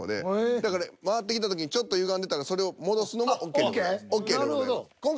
だから回ってきた時にちょっとゆがんでたらそれを戻すのもＯＫでございます。